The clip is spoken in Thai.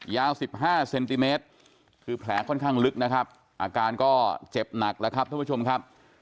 ยาว๑๕เซนติเมตรคือแผลค่อนข้างลึกนะครับอาการก็เจ็บหนักแล้วครับท่านผู้ชมครับ